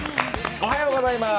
おはようございます。